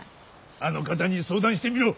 あの方に相談してみろ。